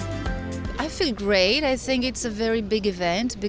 saya merasa sangat baik saya pikir ini adalah acara yang sangat besar